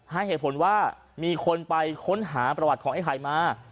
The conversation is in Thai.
ให้เหตุผลว่ามีคนไปค้นหาประวัติของไอ้ไข่มา